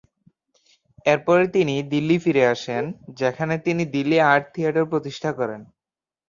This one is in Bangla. এরপরে তিনি দিল্লী ফিরে আসেন যেখানে তিনি দিল্লী আর্ট থিয়েটার প্রতিষ্ঠা করেন।